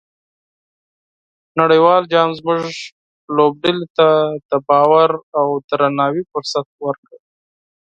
نړیوال جام زموږ لوبډلې ته د باور او درناوي فرصت ورکړ.